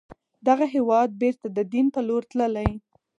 دغه هېواد بیرته د دين پر لور تللی